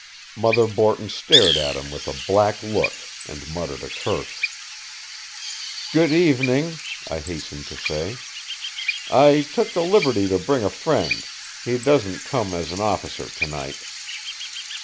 Mother Borton stared at him with a black look and muttered a curse. "Good evening," I hastened to say. "I took the liberty to bring a friend; he doesn't come as an officer to night."